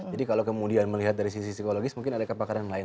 jadi kalau kemudian melihat dari sisi psikologis mungkin ada kepakaran lain